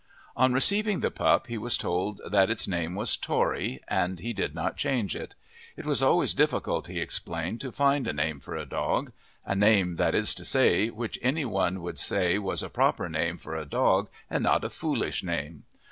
On receiving the pup he was told that its name was Tory, and he did not change it. It was always difficult, he explained, to find a name for a dog a name, that is to say, which anyone would say was a proper name for a dog and not a foolish name.